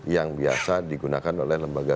yang biasa digunakan oleh lembaga